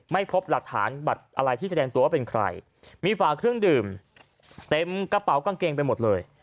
ไม่พบหลักฐานบัตรอะไรที่แสดงตัวว่าเป็นใครมีฝาเครื่องดื่มเต็มกระเป๋ากางเกงไปหมดเลย